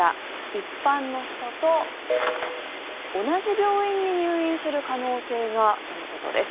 一般の人と同じ病院に入院する可能性がとのことです。